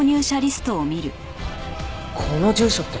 この住所って。